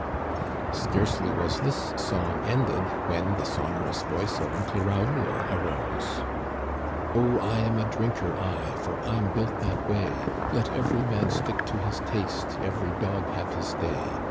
Scarcely was this song ended when the sonorous voice of Uncle Raoul arose :Oh, I am a drinker, T, For I'm built that way ; f Let every man stick to his taste. Each dog have his day